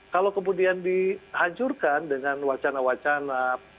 kalau kemudian dihancurkan dengan wacana wacana